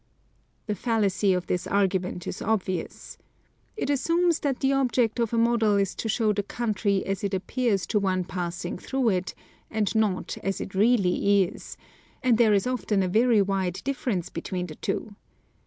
The fallacy of this argument is obvious. It assumes that the object of a model is to show the country as it appears to one passing through it, and not as it really is — and there is often a very wide difference between the two.